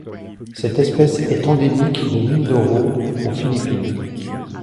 Cette espèce est endémique de Mindoro aux Philippines.